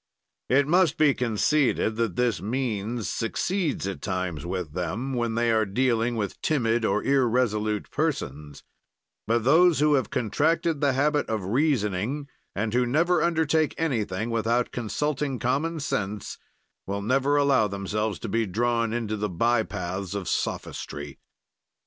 It must be conceded that this means succeeds at times with them, when they are dealing with timid or irresolute persons; but those who have contracted the habit of reasoning, and who never undertake anything without consulting common sense, will never allow themselves to be drawn into the by paths of sophistry.